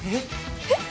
えっ。